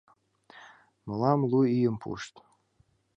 Мылам лу ийым пуышт.